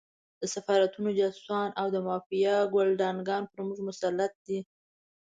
د سفارتونو جاسوسان او د مافیا ګُلډانګان پر موږ مسلط دي.